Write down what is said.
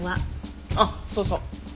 あっそうそう。